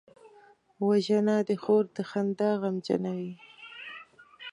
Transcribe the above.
وژنه د خور د خندا غمجنوي